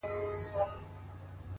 زحمت هیڅکله ضایع نه ځي،